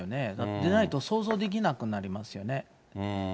出ないと想像できなくなりますよね。